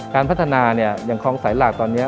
การพัฒนาเนี่ยอย่างคลองสายหลักตอนนี้